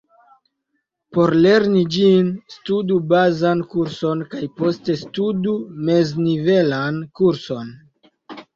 Por lerni ĝin, studu bazan kurson kaj poste studu mez-nivelan kurson.